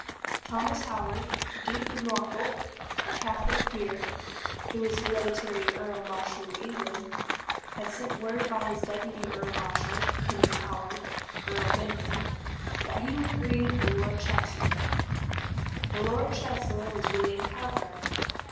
Thomas Howard, Duke of Norfolk, a Catholic peer, who is hereditary Earl Marshal of England, had sent word by his deputy Earl Marshal, Henry Howard, Earl Bindon, that he would agree with the Lord Chancellor. The Lord Chancellor was William Cowper.